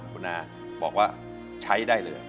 คุณอาบอกว่าใช้ได้เลย